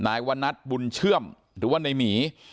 นายวนัทบุญเชื่อมหรือว่าในหมี